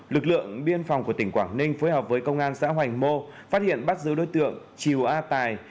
lực lượng biên phòng của tỉnh quảng ninh phối hợp với công an xã hoành mô phát hiện bắt giữ đối tượng triều a tài